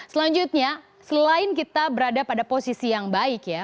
selanjutnya selain kita berada pada posisi yang baik ya